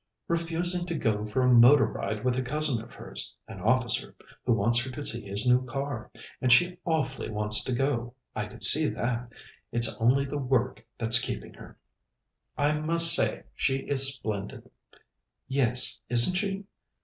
"Refusing to go for a motor ride with a cousin of hers, an officer, who wants her to see his new car. And she awfully wants to go I could see that it's only the work that's keeping her." "I must say she is splendid!" "Yes, isn't she?"